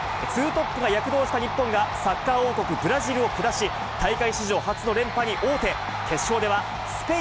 ２トップが躍動した日本が、サッカー王国、ブラジルを下し、大会史上初の連覇に王手。